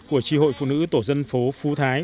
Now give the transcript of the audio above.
của tri hội phụ nữ tổ dân phố phú thái